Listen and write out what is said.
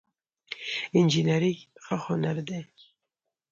انجينري ښه هنر دی